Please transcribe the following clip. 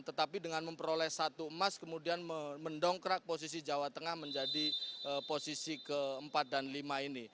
tetapi dengan memperoleh satu emas kemudian mendongkrak posisi jawa tengah menjadi posisi keempat dan lima ini